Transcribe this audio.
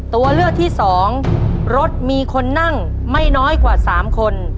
ตัวเลือกที่สองรถมีคนนั่งไม่น้อยกว่า๓คน